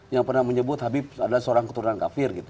yang pernah menyebut habib adalah seorang keturunan kafir gitu